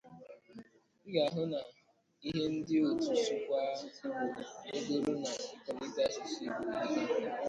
ị ga-ahụ na ihe ndị Otu Sụwakwa Igbo megoro n'ịkwàlite asụsụ Igbo ehika